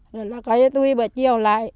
rồi là cái tôi bữa chiều lại